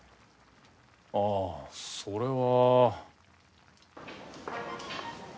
あぁそれは。